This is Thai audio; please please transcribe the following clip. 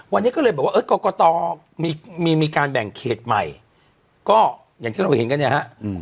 วันนี้ก็เลยบอกว่าเออกรกตมีการแบ่งเขตใหม่ก็อย่างที่เราเห็นกันเนี่ยฮะ